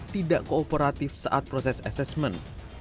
tidak kooperatif saat proses asesmen